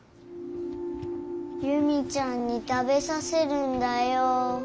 夕実ちゃんに食べさせるんだよ。